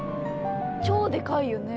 超でかいよね。